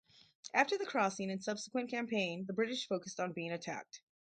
After the crossing and subsequent campaign, the British focused on being attacked.